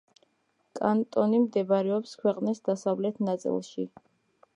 კანტონი მდებარეობს ქვეყნის დასავლეთ ნაწილში.